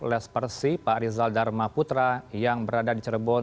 les persi pak rizal dharma putra yang berada di cirebon